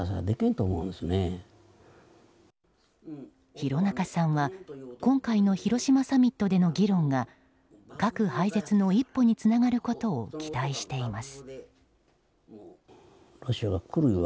廣中さんは今回の広島サミットでの議論が核廃絶の一歩につながることを期待しています。